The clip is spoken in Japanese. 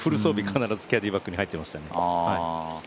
必ずキャディーバッグに入っていましたね。